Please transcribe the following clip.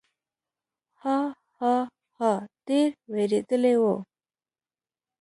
ها، ها، ها، ډېر وېرېدلی و.